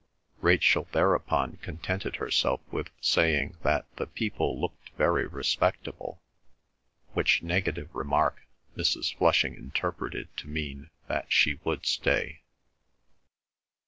Rachel thereupon contented herself with saying that the people looked very respectable, which negative remark Mrs. Flushing interpreted to mean that she would stay.